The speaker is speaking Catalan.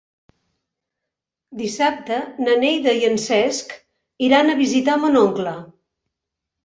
Dissabte na Neida i en Cesc iran a visitar mon oncle.